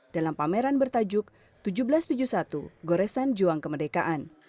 dalam pameran bertajuk seribu tujuh ratus tujuh puluh satu goresan juang kemerdekaan